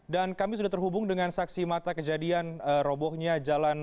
dan kami sudah terhubung dengan saksi mata kejadian robohnya jalan